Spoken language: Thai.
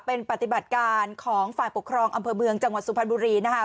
เป็นปฏิบัติการของฝ่ายปกครองอำเภอเมืองจังหวัดสุพรรณบุรีนะคะ